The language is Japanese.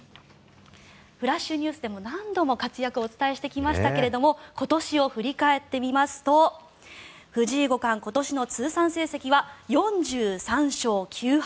フラッシュＮＥＷＳでも何度も活躍をお伝えしてきましたが今年を振り返ってみますと藤井五冠、今年の通算成績は４３勝９敗。